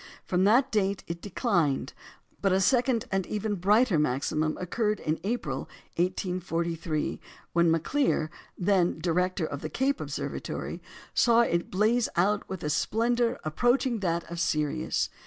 From that date it declined; but a second and even brighter maximum occurred in April, 1843, when Maclear, then director of the Cape Observatory, saw it blaze out with a splendour approaching that of Sirius.